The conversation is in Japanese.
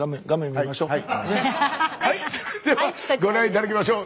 それではご覧頂きましょう。